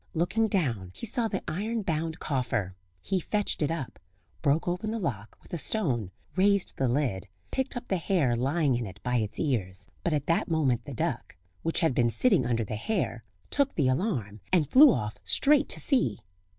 Looking down he saw the iron bound coffer; he fetched it up, broke open the lock with a stone, raised the lid, picked up the hare lying in it by its ears; but at that moment the duck, which had been sitting under the hare, took the alarm, and flew off straight to sea.